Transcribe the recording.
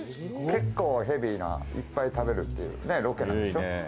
結構ヘビーな、いっぱい食べるっていうロケなんでしょ？